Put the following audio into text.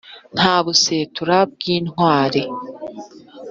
nta busetura bw' intwari